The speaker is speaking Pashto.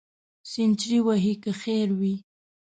سینچري وهې که خیر وي.